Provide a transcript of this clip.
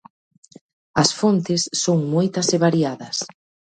As fontes son moitas e variadas.